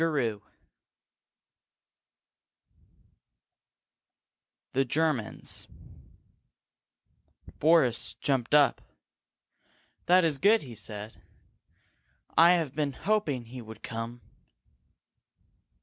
CHAPTER V THE GERMANS Boris jumped up. "That is good!" he said. "I have been hoping he would come."